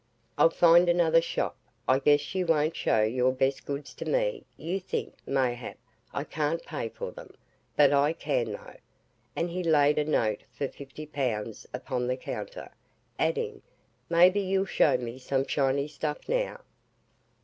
"I'll find another shop; I guess you won't show your best goods to me you think, mayhap, I can't pay for them but I can, though," and he laid a note for fifty pounds upon the counter, adding, "maybe you'll show me some SHINY stuff now!"